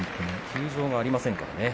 休場がありませんからね。